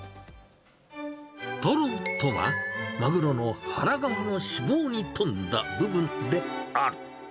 トロとは、マグロの腹側の脂肪に富んだ部分である。